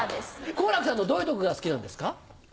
好楽さんのどういうとこが好きなんですか？